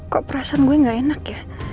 kok perasaan gue gak enak ya